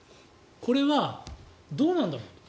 これはどうなんだろうと。